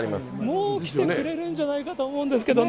もう来てくれるんじゃないかと思うんですけどね。